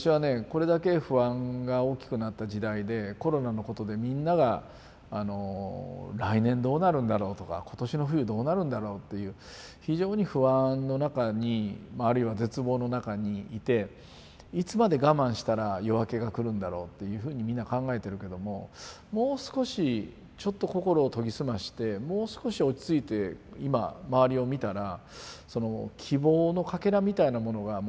これだけ不安が大きくなった時代でコロナのことでみんなが来年どうなるんだろうとか今年の冬どうなるんだろうっていう非常に不安の中にあるいは絶望の中にいていつまで我慢したら夜明けが来るんだろうっていうふうにみんな考えてるけどももう少しちょっと心を研ぎ澄ましてもう少し落ち着いて今周りを見たら希望のかけらみたいなものがもう始まってるんじゃないか。